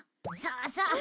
そうそう。